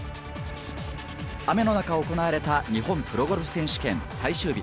雨の中、行われた日本プロゴルフ選手権最終日。